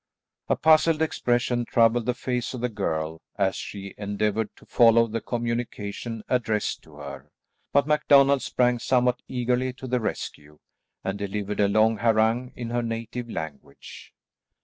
A puzzled expression troubled the face of the girl as she endeavoured to follow the communication addressed to her, but MacDonald sprang somewhat eagerly to the rescue, and delivered a long harangue in her native language.